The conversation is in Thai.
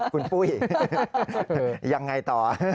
คุณปุ้ยยังไงต่อ